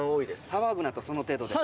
「騒ぐなとその程度で」